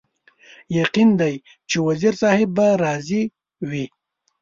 یقین دی چې وزیر صاحب به راضي وي.